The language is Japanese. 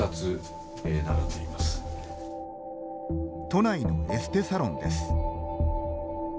都内のエステサロンです。